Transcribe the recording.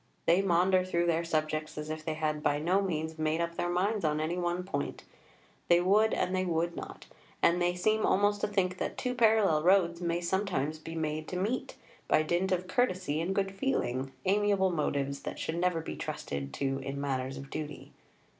They maunder through their subjects as if they had by no means made up their minds on any one point they would and they would not; and they seem almost to think that two parallel roads may sometimes be made to meet, by dint of courtesy and good feeling, amiable motives that should never be trusted to in matters of duty.